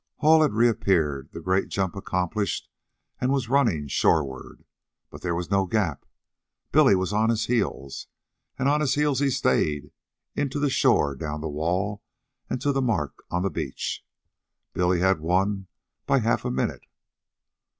Hall had reappeared, the great jump accomplished, and was running shoreward. But there was no gap. Billy was on his heels, and on his heels he stayed, in to shore, down the wall, and to the mark on the beach. Billy had won by half a minute.